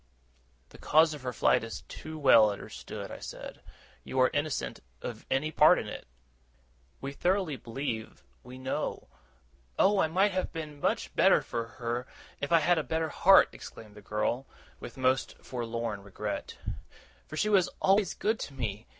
'The cause of her flight is too well understood,' I said. 'You are innocent of any part in it, we thoroughly believe, we know.' 'Oh, I might have been much the better for her, if I had had a better heart!' exclaimed the girl, with most forlorn regret; 'for she was always good to me!